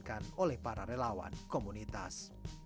dan juga diperoleh oleh para relawan komunitas